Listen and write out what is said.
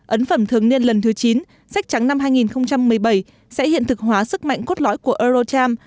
ấn phẩm thường niên lần thứ chín sách trắng năm hai nghìn một mươi bảy sẽ hiện thực hóa sức mạnh cốt lõi của eurocharm